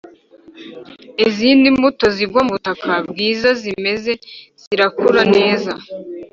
Izindi mbuto zigwa mu butaka bwiza zimeze zirakura neza